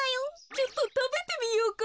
ちょっとたべてみようか。